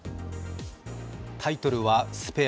タイトルは「スペア」。